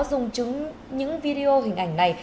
dùng chứng những video hình ảnh này